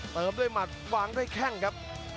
เติมด้วยหมัดวางด้วยแข้งครับ